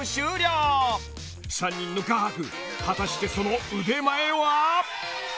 ［３人の画伯果たしてその腕前は］